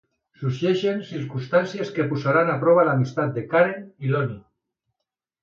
Sorgeixen circumstàncies que posaran a prova l'amistat de Karen i Lonnie.